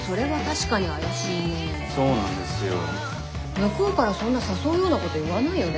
向こうからそんな誘うようなこと言わないよね